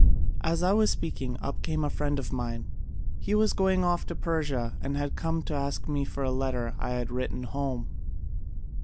As I was speaking, up came a friend of mine; he was going off to Persia, and had come to ask me for a letter I had written home.